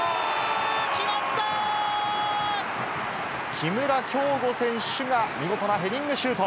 木村匡吾選手が見事なヘディングシュート。